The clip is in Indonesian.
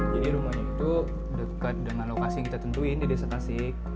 jadi rumahnya itu dekat dengan lokasi kita tentuin di desa kasik